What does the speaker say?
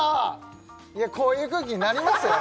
いやこういう空気になりますよ